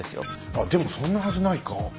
あでもそんなはずないか。